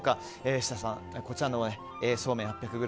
設楽さん、こちらのそうめん８００ｇ